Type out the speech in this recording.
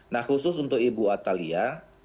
nah khusus untuk ibu atalia